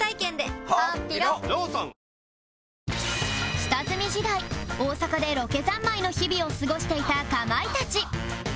下積み時代大阪でロケざんまいの日々を過ごしていたかまいたち